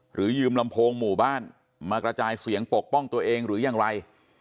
หรือยืมลำโพงหมู่บ้านมากระจายเสียงปกป้องตัวเองหรือยังไร